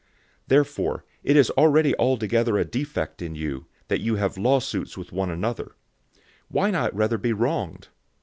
006:007 Therefore it is already altogether a defect in you, that you have lawsuits one with another. Why not rather be wronged?